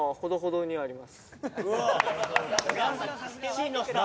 真のスター。